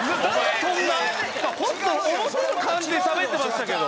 ホストの表の感じでしゃべってましたけど。